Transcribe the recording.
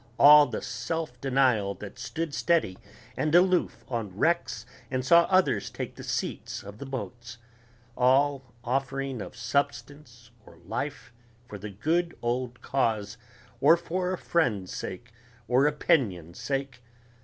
all the self denial that stood steady and aloof on wrecks and saw others take the seats of the boats ... all offering of substance or life for the good old cause, or for a friend's sake or opinion's sake